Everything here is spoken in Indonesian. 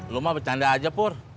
lo mah bercanda aja pur